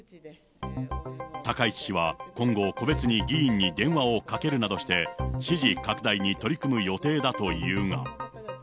高市氏は今後、個別に議員に電話をかけるなどして、支持拡大に取り組む予定だというが。